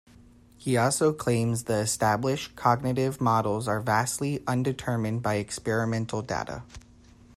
He also claims the established cognitive models are vastly underdetermined by experimental data.